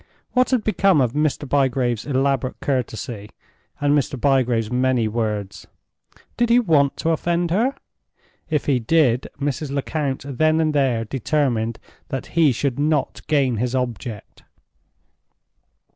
What had become of Mr. Bygrave's elaborate courtesy, and Mr. Bygrave's many words? Did he want to offend her? If he did, Mrs. Lecount then and there determined that he should not gain his object.